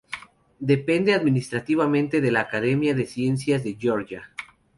Depende administrativamente de la Academia de Ciencias de Georgia.